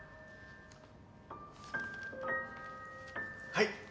はい。